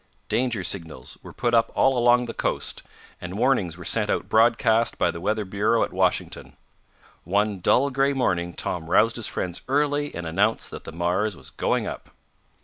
Danger signals were put up all along the coast, and warnings were sent out broadcast by the Weather Bureau at Washington. One dull gray morning Tom roused his friends early and announced that the Mars was going up.